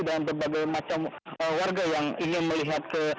dan berbagai macam warga yang ingin melihat ke